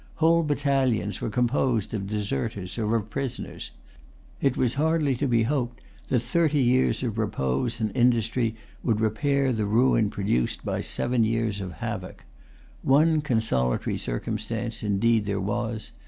Whole battalions were composed of deserters or of prisoners. It was hardly to be hoped that thirty years of repose and industry would repair the ruin produced by seven years of havoc. One consolatory circumstance, indeed, there was.